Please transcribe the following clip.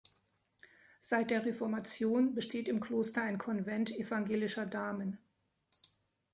Seit der Reformation besteht im Kloster ein Konvent evangelischer Damen.